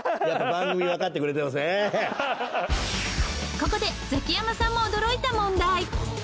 ここでザキヤマさんも驚いた問題。